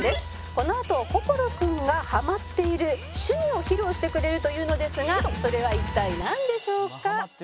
「このあと心くんがハマっている趣味を披露してくれるというのですがそれは一体なんでしょうか？」